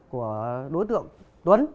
của đối tượng tuấn